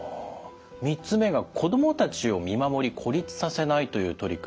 ３つ目が「子どもたちを見守り孤立させない」という取り組み